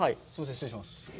失礼します。